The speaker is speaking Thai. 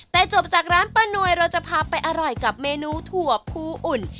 แต่จบจากร้านป้านวยเราจะพาไปอร่อยกับเมนูถั่วภูอุ่น